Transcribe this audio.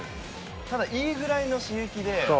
ただいいぐらいの刺激で。